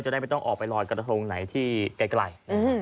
ได้ไม่ต้องออกไปลอยกระทงไหนที่ไกล